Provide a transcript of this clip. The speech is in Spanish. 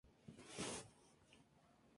Derribó ambos aviones.